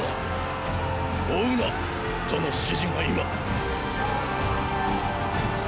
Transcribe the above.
「追うな！」との指示が今。